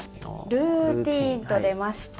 ルーティンと出ました。